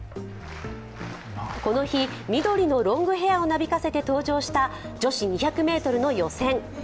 この日、緑のロングヘアをなびかせて登場した女子２００ｍの予選。